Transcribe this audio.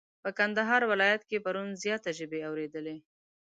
په کندهار ولايت کي پرون زياته ژبی اوريدلې.